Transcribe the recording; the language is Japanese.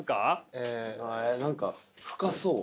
ええ何か深そう。